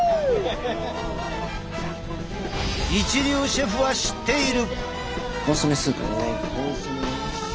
一流シェフは知っている。